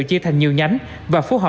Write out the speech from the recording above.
chia thành nhiều nhánh và phố họ